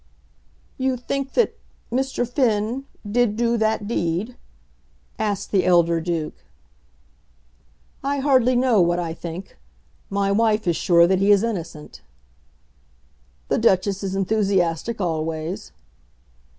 "You think that Mr. Finn did do that deed?" asked the elder Duke. "I hardly know what I think. My wife is sure that he is innocent." "The Duchess is enthusiastic always."